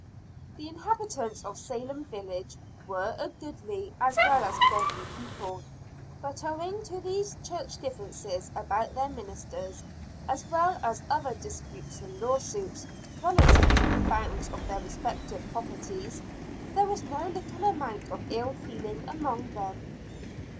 The inhabitants of Salem village were a goodly as well as godly people, but owing to these church differences about their ministers, as well as other disputes and lawsuits relative to the bounds of their respective properties, there was no little amount of ill feeling among them.